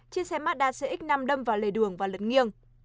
chiếc xe mazda cx năm đâm vào lề đường và lật nghiêng